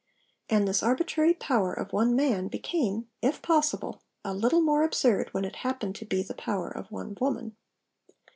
And this arbitrary power of one man became, if possible, a little more absurd when it happened to be the power of one woman.